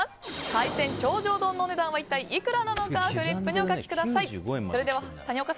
海鮮頂上丼のお値段は一体いくらなのかフリップにお書きください。